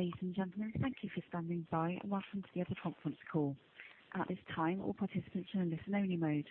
Ladies and gentlemen, thank you for standing by, and welcome to the Telia conference call. At this time, all participants are in listen-only mode.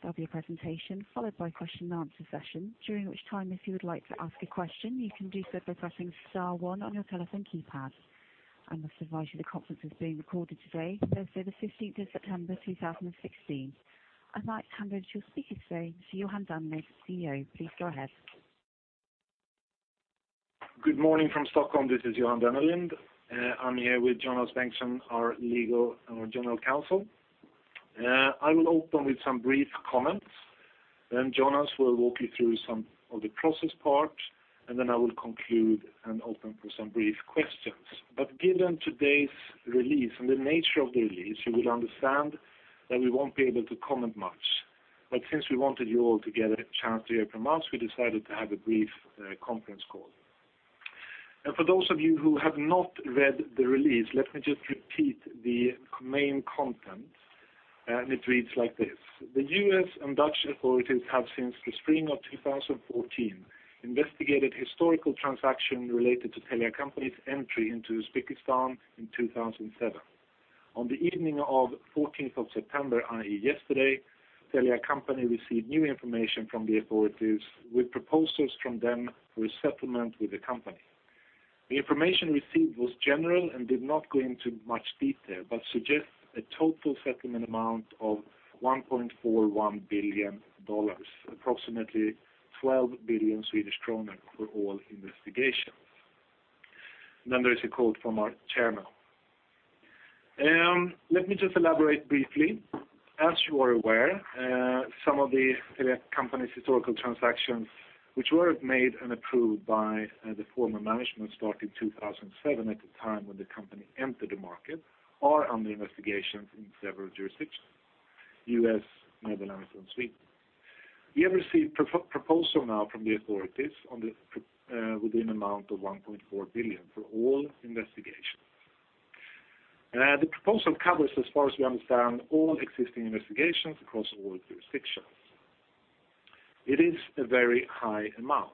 There'll be a presentation followed by question and answer session, during which time, if you would like to ask a question, you can do so by pressing star one on your telephone keypad. I must advise you the conference is being recorded today, Thursday the 15th of September, 2016. I'd like to hand over to your speaker today, Johan Dennelind, CEO. Please go ahead. Good morning from Stockholm. This is Johan Dennelind. I'm here with Jonas Bengtsson, our legal General Counsel. I will open with some brief comments, then Jonas will walk you through some of the process parts, and then I will conclude and open for some brief questions. Given today's release and the nature of the release, you will understand that we won't be able to comment much. Since we wanted you all to get a chance to hear from us, we decided to have a brief conference call. For those of you who have not read the release, let me just repeat the main content, and it reads like this: The U.S. and Dutch authorities have, since the spring of 2014, investigated historical transactions related to Telia Company's entry into Uzbekistan in 2007. On the evening of 14th of September, i.e., yesterday, Telia Company received new information from the authorities with proposals from them for a settlement with the company. The information received was general and did not go into much detail but suggests a total settlement amount of $1.41 billion, approximately 12 billion Swedish kronor for all investigations. There is a quote from our Chairman. Let me just elaborate briefly. As you are aware, some of the Telia Company's historical transactions, which were made and approved by the former management starting 2007, at the time when the company entered the market, are under investigation in several jurisdictions, U.S., Netherlands, and Sweden. We have received proposal now from the authorities within amount of $1.4 billion for all investigations. The proposal covers, as far as we understand, all existing investigations across all jurisdictions. It is a very high amount.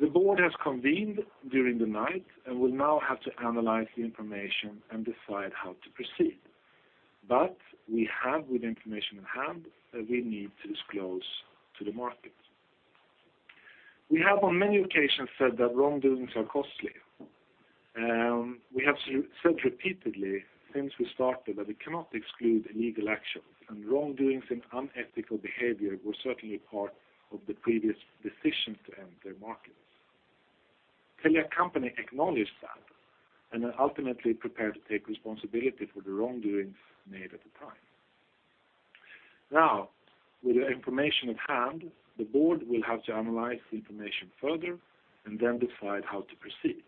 The Board has convened during the night and will now have to analyze the information and decide how to proceed. We have, with information in hand, that we need to disclose to the market. We have on many occasions said that wrongdoings are costly. We have said repeatedly since we started that we cannot exclude legal actions, and wrongdoings and unethical behavior were certainly part of the previous decisions to enter markets. Telia Company acknowledged that and are ultimately prepared to take responsibility for the wrongdoings made at the time. Now, with the information at hand, the Board will have to analyze the information further and then decide how to proceed.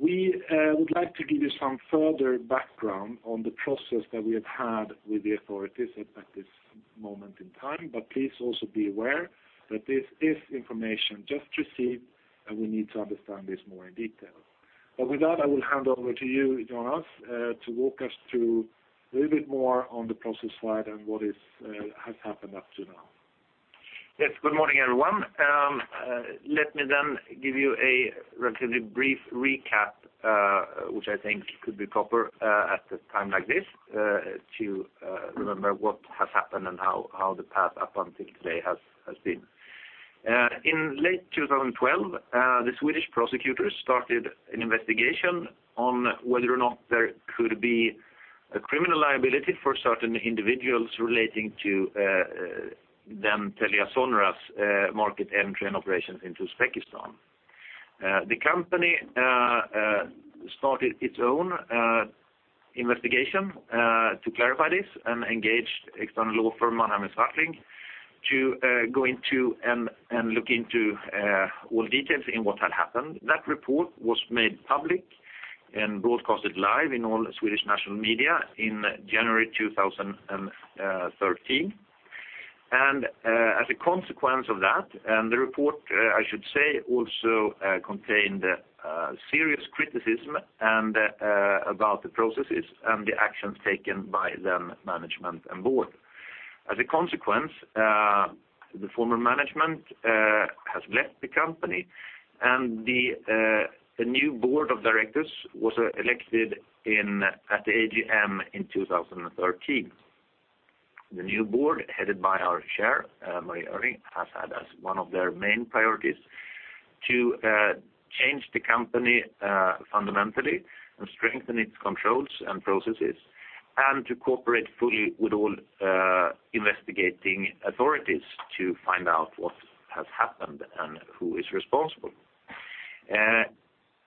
We would like to give you some further background on the process that we have had with the authorities at this moment in time, but please also be aware that this is information just received, and we need to understand this more in detail. With that, I will hand over to you, Jonas, to walk us through a little bit more on the process side and what has happened up to now. Yes. Good morning, everyone. Let me then give you a relatively brief recap, which I think could be proper at a time like this, to remember what has happened and how the path up until today has been. In late 2012, the Swedish prosecutors started an investigation on whether or not there could be a criminal liability for certain individuals relating to then TeliaSonera's market entry and operations into Uzbekistan. The company started its own investigation to clarify this and engaged external law firm Mannheimer Swartling to go into and look into all details in what had happened. That report was made public and broadcasted live in all Swedish national media in January 2013. As a consequence of that, and the report, I should say, also contained serious criticism about the processes and the actions taken by then management and board. As a consequence, the former management has left the company, and the new board of directors was elected at the AGM in 2013. The new board, headed by our chair, Marie Ehrling, has had as one of their main priorities to change the company fundamentally and strengthen its controls and processes and to cooperate fully with all investigating authorities to find out what has happened and who is responsible.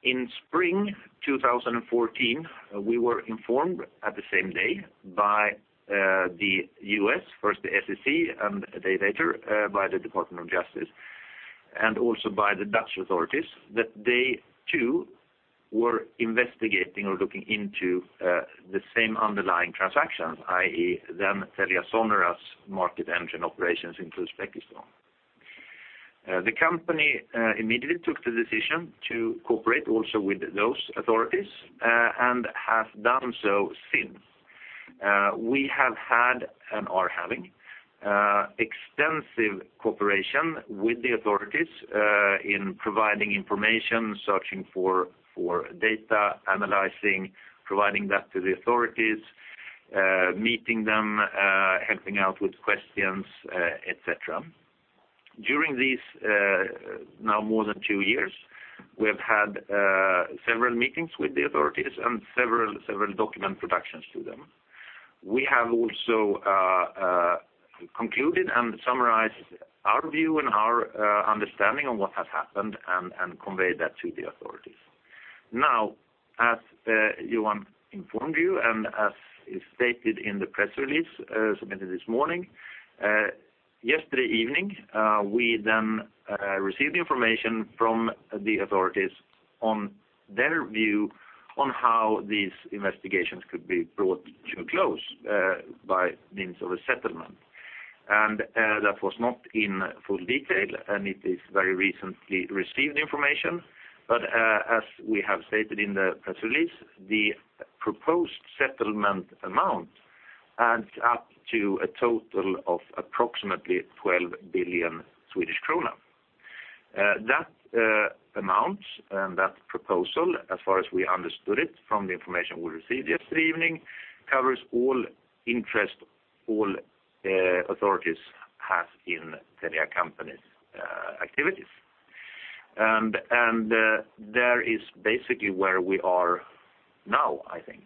In spring 2014, we were informed at the same day by the U.S., first the SEC, and a day later by the Department of Justice, and also by the Dutch authorities, that they too were investigating or looking into the same underlying transactions, i.e., then TeliaSonera's market entry and operations into Uzbekistan. The company immediately took the decision to cooperate also with those authorities and have done so since. We have had and are having extensive cooperation with the authorities in providing information, searching for data, analyzing, providing that to the authorities, meeting them, helping out with questions, et cetera. During these now more than two years, we have had several meetings with the authorities and several document productions to them. We have also concluded and summarized our view and our understanding of what has happened and conveyed that to the authorities. As Johan informed you and as is stated in the press release submitted this morning, yesterday evening, we then received the information from the authorities on their view on how these investigations could be brought to a close by means of a settlement. That was not in full detail, and it is very recently received information. As we have stated in the press release, the proposed settlement amount adds up to a total of approximately 12 billion Swedish krona. That amount and that proposal, as far as we understood it from the information we received yesterday evening, covers all interest all authorities have in Telia Company activities. There is basically where we are now, I think.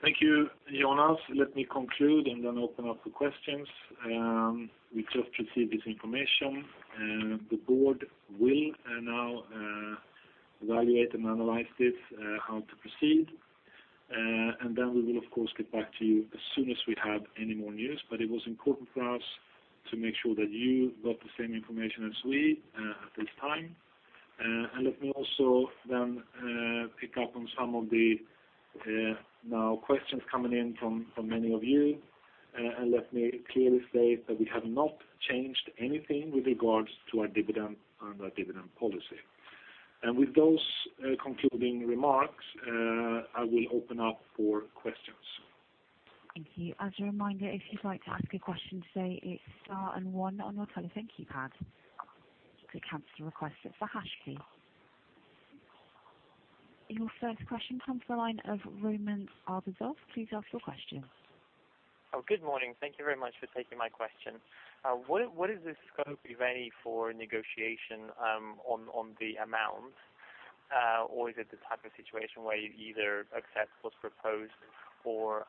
Thank you, Jonas. Let me conclude, open up for questions. We just received this information, the board will now evaluate and analyze this, how to proceed. We will, of course, get back to you as soon as we have any more news. It was important for us to make sure that you got the same information as we at this time. Let me also pick up on some of the questions coming in from many of you. Let me clearly state that we have not changed anything with regards to our dividend and our dividend policy. With those concluding remarks, I will open up for questions. Thank you. As a reminder, if you'd like to ask a question, say it star and one on your telephone keypad. To cancel a request, hit the hash key. Your first question comes to the line of Roman Arbuzov. Please ask your question. Good morning. Thank you very much for taking my question. What is the scope, if any, for negotiation on the amount? Is it the type of situation where you either accept what's proposed or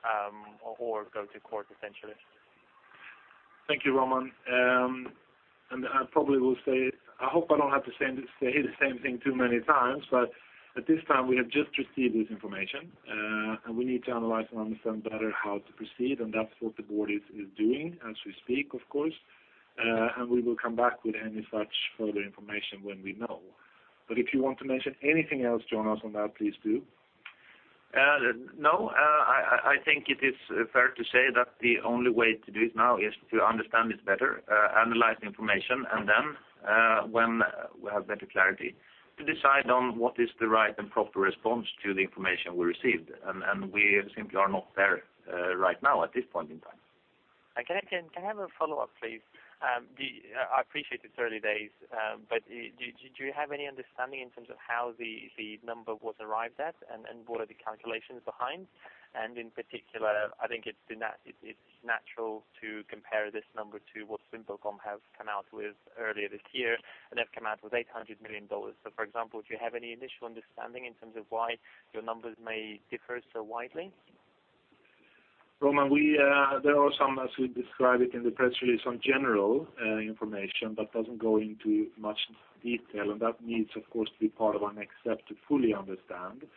go to court essentially? Thank you, Roman. I probably will say, I hope I don't have to say the same thing too many times, but at this time, we have just received this information, and we need to analyze and understand better how to proceed, and that's what the board is doing as we speak, of course. We will come back with any such further information when we know. If you want to mention anything else, Jonas, on that, please do. No. I think it is fair to say that the only way to do it now is to understand it better, analyze the information, and then when we have better clarity, to decide on what is the right and proper response to the information we received. We simply are not there right now at this point in time. Okay. Can I have a follow-up, please? I appreciate it's early days, but do you have any understanding in terms of how the number was arrived at and what are the calculations behind? In particular, I think it's natural to compare this number to what VimpelCom have come out with earlier this year, and they've come out with $800 million. For example, do you have any initial understanding in terms of why your numbers may differ so widely? Roman, there are some, as we describe it in the press release, on general information, but doesn't go into much detail, and that needs, of course, to be part of our next step to fully understand and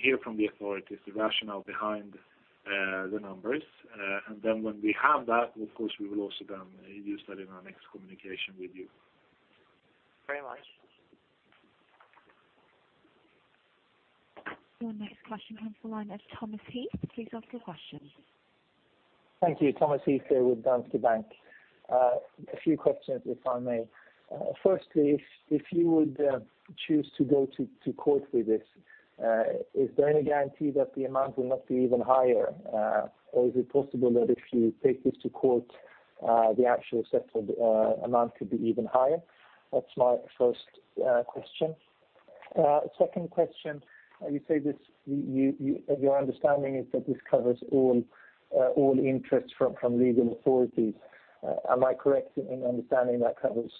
hear from the authorities the rationale behind the numbers. Then when we have that, of course, we will also then use that in our next communication with you. Very much. Your next question comes from the line of Thomas Heath. Please ask your question. Thank you. Thomas Heath here with Danske Bank. A few questions, if I may. Firstly, if you would choose to go to court with this, is there any guarantee that the amount will not be even higher? Or is it possible that if you take this to court, the actual settled amount could be even higher? That's my first question. Second question, you say your understanding is that this covers all interests from legal authorities. Am I correct in understanding that covers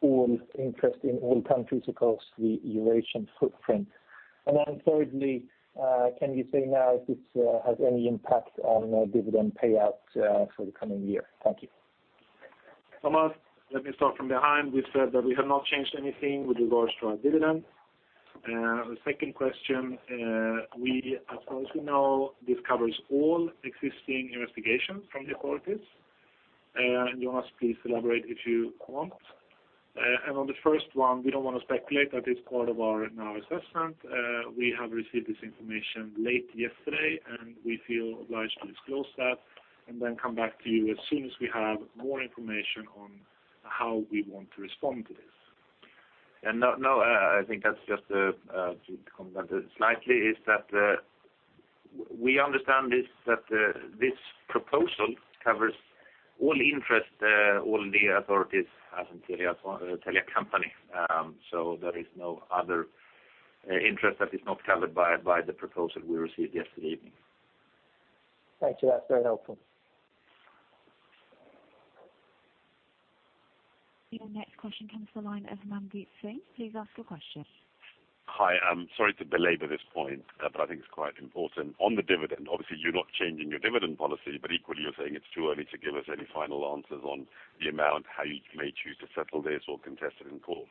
all interest in all countries across the Eurasian footprint? Thirdly, can you say now if it has any impact on dividend payout for the coming year? Thank you. Thomas, let me start from behind. We said that we have not changed anything with regards to our dividend. The second question, as far as we know, this covers all existing investigations from the authorities. Jonas, please elaborate if you want. On the first one, we don't want to speculate. That is part of our assessment. We have received this information late yesterday, and we feel obliged to disclose that and then come back to you as soon as we have more information on how we want to respond to this. I think that's just to comment on that slightly, is that we understand that this proposal covers all interest, all the authorities has in Telia Company. There is no other interest that is not covered by the proposal we received yesterday evening. Thank you. That's very helpful. Your next question comes from the line of Mandeep Singh. Please ask your question. Hi. Sorry to belabor this point, I think it's quite important. On the dividend, obviously you're not changing your dividend policy, but equally, you're saying it's too early to give us any final answers on the amount, how you may choose to settle this or contest it in court.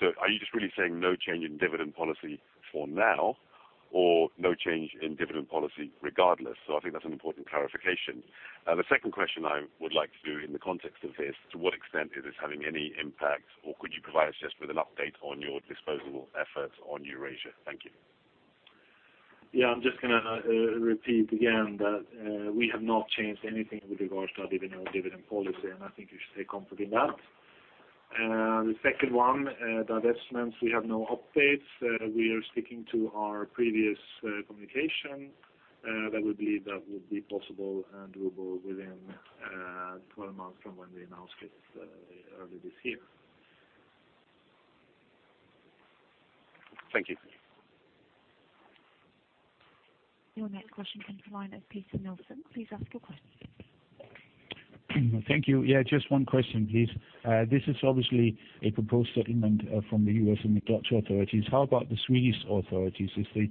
Are you just really saying no change in dividend policy for now, or no change in dividend policy regardless? I think that's an important clarification. The second question I would like to do in the context of this, to what extent is this having any impact, or could you provide us just with an update on your disposable efforts on Eurasia? Thank you. Yeah, I'm just going to repeat again that we have not changed anything with regards to our dividend policy, and I think you should take comfort in that. The second one, divestments, we have no updates. We are sticking to our previous communication that we believe that will be possible and doable within 12 months from when we announced it earlier this year. Thank you. Your next question comes from the line of Peter Nilsson. Please ask your question. Thank you. Yeah, just one question, please. This is obviously a proposed settlement from the U.S. and the Dutch authorities. How about the Swedish authorities? The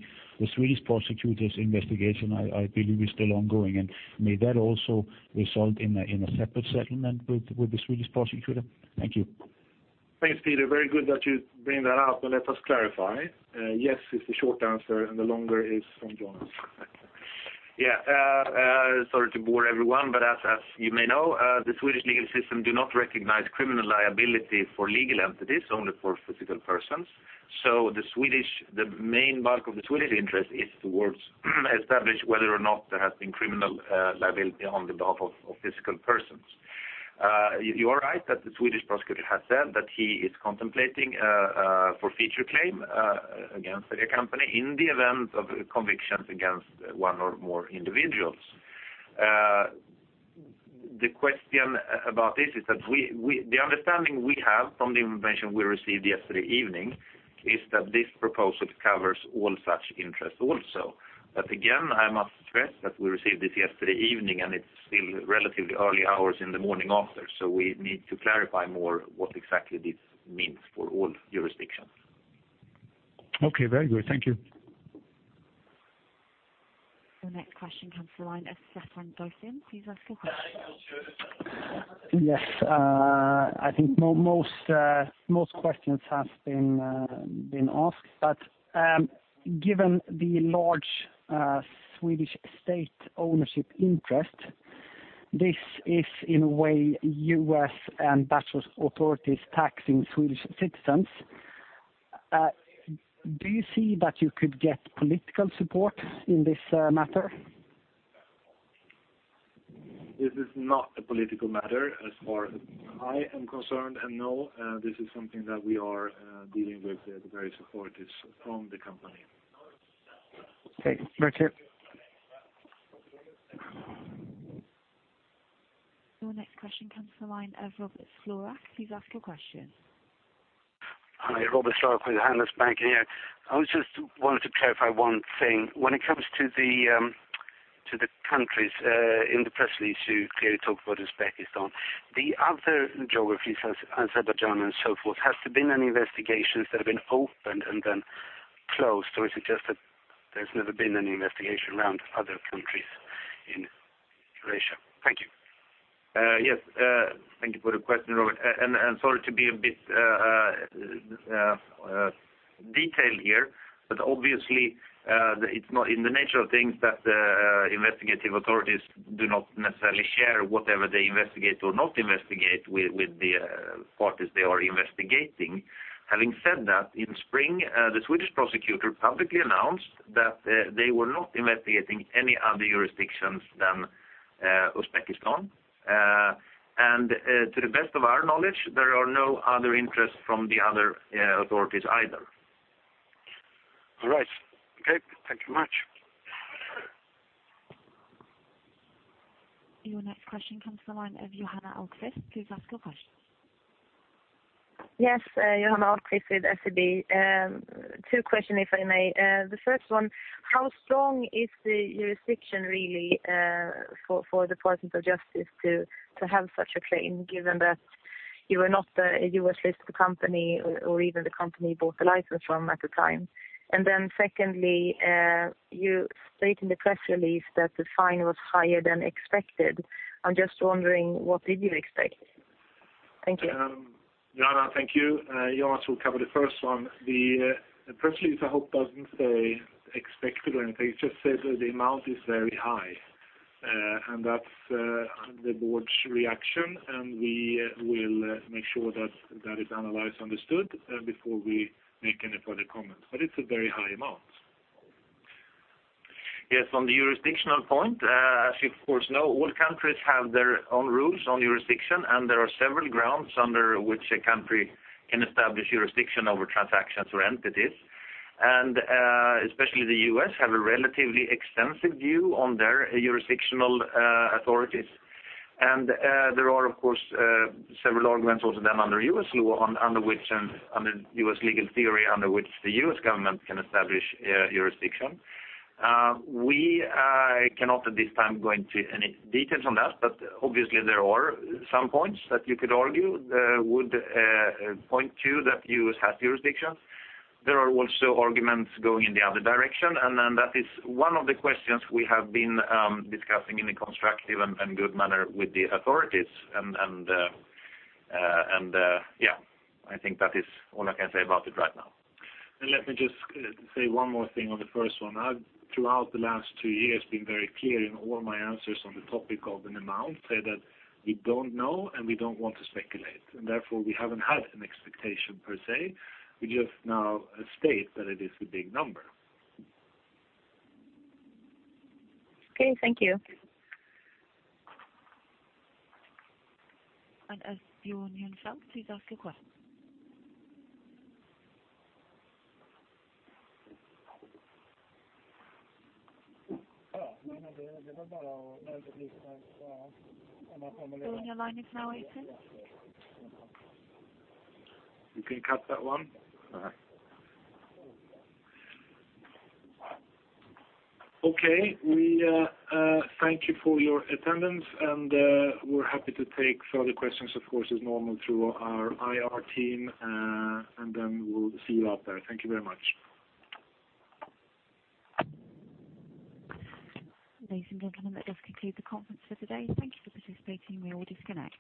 Swedish prosecutor's investigation, I believe, is still ongoing. May that also result in a separate settlement with the Swedish prosecutor? Thank you. Thanks, Peter. Very good that you bring that up and let us clarify. Yes is the short answer, and the longer is from Jonas. Sorry to bore everyone, as you may know, the Swedish legal system do not recognize criminal liability for legal entities, only for physical persons. The main bulk of the Swedish interest is towards establish whether or not there has been criminal liability on behalf of physical persons. You are right that the Swedish prosecutor has said that he is contemplating for future claim against Telia Company in the event of convictions against one or more individuals. The question about this is that the understanding we have from the information we received yesterday evening is that this proposal covers all such interest also. Again, I must stress that we received this yesterday evening and it's still relatively early hours in the morning after. We need to clarify more what exactly this means for all jurisdictions. Okay. Very good. Thank you. The next question comes from the line of Staffan Gossen. Please ask your question. Yes. I think most questions have been asked, but given the large Swedish state ownership interest, this is in a way U.S. and Dutch authorities taxing Swedish citizens. Do you see that you could get political support in this matter? This is not a political matter as far as I am concerned. No, this is something that we are dealing with the various authorities from the company. Okay. Thank you. Your next question comes from the line of Robert Florack. Please ask your question. Hi, Robert Florack with Handelsbanken here. I just wanted to clarify one thing. When it comes to the countries in the press release you clearly talk about Uzbekistan. The other geographies, Azerbaijan and so forth, has there been any investigations that have been opened and then closed, or is it just that there's never been any investigation around other countries in Eurasia? Thank you. Yes. Thank you for the question, Robert, and sorry to be a bit detailed here, but obviously, it's not in the nature of things that investigative authorities do not necessarily share whatever they investigate or not investigate with the parties they are investigating. Having said that, in spring, the Swedish prosecutor publicly announced that they were not investigating any other jurisdictions than Uzbekistan. To the best of our knowledge, there are no other interests from the other authorities either. All right. Okay. Thank you much. Your next question comes from the line of Johanna Ahlquist. Please ask your question. Yes. Johanna Ahlquist with SEB. Two questions, if I may. The first one, how strong is the jurisdiction really for Department of Justice to have such a claim given that you are not a U.S.-listed company or even the company bought the license from at the time? Secondly, you state in the press release that the fine was higher than expected. I'm just wondering what did you expect? Thank you. Johanna. Thank you. Jonas will cover the first one. The press release, I hope, doesn't say expected or anything. It just says that the amount is very high. That's the board's reaction, and we will make sure that is analyzed, understood, before we make any further comments. It's a very high amount. Yes, on the jurisdictional point, as you of course know, all countries have their own rules on jurisdiction, and there are several grounds under which a country can establish jurisdiction over transactions or entities. Especially the U.S. have a relatively extensive view on their jurisdictional authorities. There are, of course, several arguments also then under U.S. law, under U.S. legal theory, under which the U.S. government can establish jurisdiction. We cannot at this time go into any details on that. Obviously there are some points that you could argue would point to that the U.S. has jurisdiction. There are also arguments going in the other direction. That is one of the questions we have been discussing in a constructive and good manner with the authorities, and yeah, I think that is all I can say about it right now. Let me just say one more thing on the first one. I've, throughout the last two years, been very clear in all my answers on the topic of an amount, say that we don't know and we don't want to speculate, and therefore we haven't had an expectation per se. We just now state that it is a big number. Okay, thank you. [as please ask a question. Your line is now open.] You can cut that one. Okay. We thank you for your attendance, and we're happy to take further questions, of course, as normal through our IR team, and then we'll see you out there. Thank you very much. Ladies and gentlemen, that does conclude the conference for today. Thank you for participating. We all disconnect.